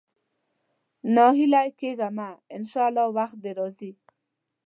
ناهيلی کېږه مه، ان شاءالله وخت دې راځي.